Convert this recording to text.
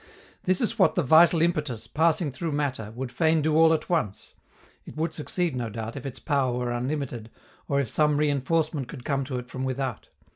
That is what the vital impetus, passing through matter, would fain do all at once. It would succeed, no doubt, if its power were unlimited, or if some reinforcement could come to it from without.